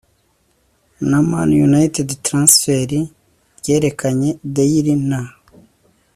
na Man Utd transfert ryerekanye Daily na